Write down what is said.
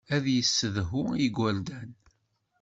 Ad yessedhu igerdan.